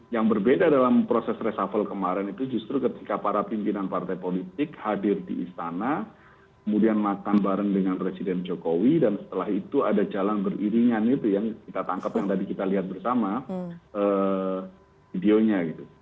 yang berbeda dalam proses resafel kemarin itu justru ketika para pimpinan partai politik hadir di istana kemudian makan bareng dengan presiden jokowi dan setelah itu ada jalan beriringan itu yang kita tangkap yang tadi kita lihat bersama videonya gitu